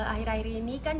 akhir akhir ini kan